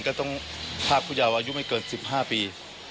ก็ต้องพรากผู้ยาวอายุไม่เกิน๑๕ปี